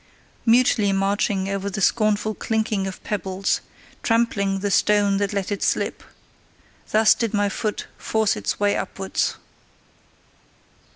Mutely marching over the scornful clinking of pebbles, trampling the stone that let it slip: thus did my foot force its way upwards.